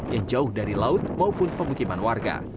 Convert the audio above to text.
yang jauh dari laut maupun pemukiman warga